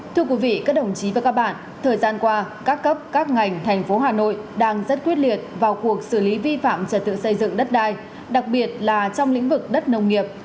thưa quý vị các đồng chí và các bạn thời gian qua các cấp các ngành thành phố hà nội đang rất quyết liệt vào cuộc xử lý vi phạm trật tự xây dựng đất đai đặc biệt là trong lĩnh vực đất nông nghiệp